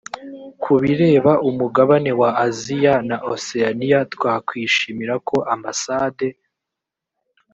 ku bireba umugabane wa aziya na oseyaniya twakwishimira ko ambasade